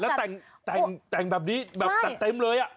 แล้วแต่งแบบนี้แบบจัดเต็มเลย